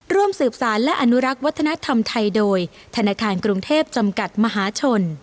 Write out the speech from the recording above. ร่วมสืบสารและอนุรักษ์วัฒนธรรมไทยโดยธนาคารกรุงเทพจำกัดมหาชน